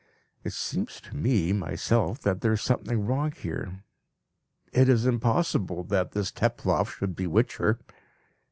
(It seems to me myself that there is something wrong here. It is impossible that this Teploff should bewitch her.